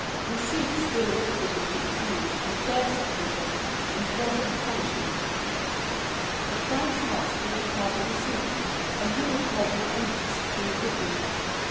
Deceit still whispered him to deceive, and Fear seconded her, and spoke of punishment. But Frank's heart could not harbor Deceit, and he recalled Repentance to his bosom.